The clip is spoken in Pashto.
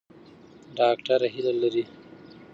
ډاکټره هیله لري.